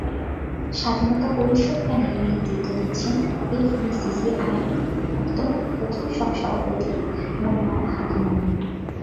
স্বাধীনতা পরিষদ প্যানেলের নেতৃত্ব দিচ্ছেন এফবিসিসিআইর বর্তমান প্রথম সহসভাপতি মনোয়ারা হাকিম আলী।